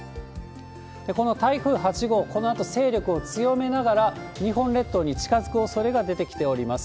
この台風８号、このあと勢力を強めながら、日本列島に近づくおそれが出てきております。